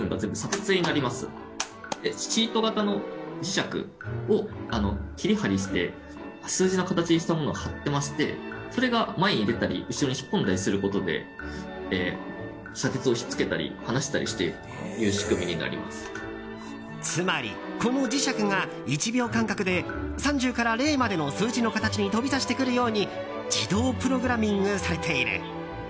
シート型の磁石を切り貼りして数字の形にしたものを貼っていましてそれが前に出たり後ろに引っ込んだりすることで砂鉄を引っ付けたり離していたりするつまり、この磁石が１秒間隔で３０から０までの数字の形に飛び出してくるように自動プログラミングされている。